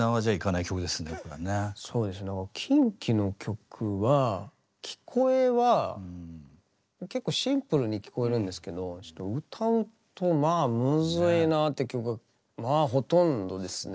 そうですなんかＫｉｎＫｉの曲は聞こえは結構シンプルに聞こえるんですけど歌うとまあムズいなって曲がまあほとんどですね。